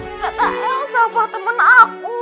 kata elsa pak temen aku